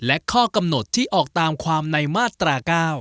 และข้อกำหนดที่ออกตามความในมาตรา๙